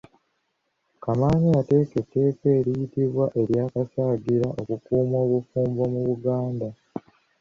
Kamaanya yateeka etteeka eryitibwa ery'akasagira okukuuma obufumbo mu Buganda.